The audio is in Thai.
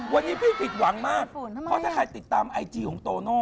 วันนี้พี่ผิดหวังมากเพราะถ้าใครติดตามไอจีของโตโน่